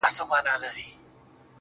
o هغه هم نسته جدا سوی يمه.